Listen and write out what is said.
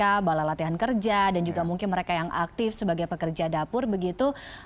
ada balai latihan kerja dan juga mungkin mereka yang aktif sebagai pekerja dapur begitu